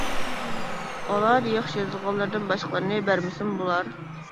ئالاھىدە ياخشى يېزىلغانلىرىدىن باشقىلىرىنى بەرمىسىمۇ بولار.